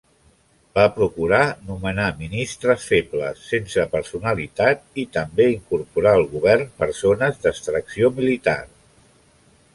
Va procurar nomenar ministres febles, sense personalitat, i també incorporà al govern persones d'extracció militar.